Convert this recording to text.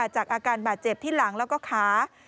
จากอาการบาดเจ็บที่หลังแล้วก็ขา